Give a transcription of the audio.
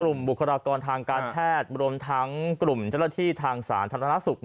บุคลากรทางการแพทย์รวมทั้งกลุ่มเจ้าหน้าที่ทางสาธารณสุข